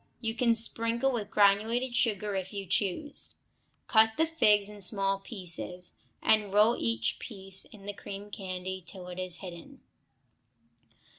You can sprinkle with granulated sugar if you choose. Cut figs in small pieces, and roll each piece in the cream candy till it is hidden.